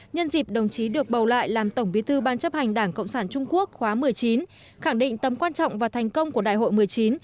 nhân dịp đồng chí được bầu lại làm tổng bí thư ban chấp hành đảng cộng sản trung quốc khóa một mươi chín khẳng định tầm quan trọng và thành công của đại hội một mươi chín